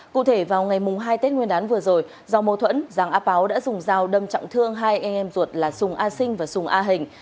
cụ thể vào ngày hai tết nguyên đán vừa rồi do mâu thuẫn giàng a páo đã dùng dao đâm trọng thương hai anh em ruột là sùng a sinh và sùng a hình